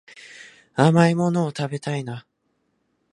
甘いもの食べたいな